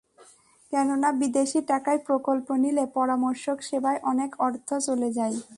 কেননা বিদেশি টাকায় প্রকল্প নিলে পরামর্শক সেবায় অনেক অর্থ চলে যায়।